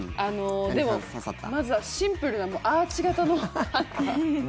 でも、まずはシンプルなアーチ型のハンガー。